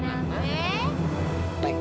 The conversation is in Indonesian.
mau main sama apa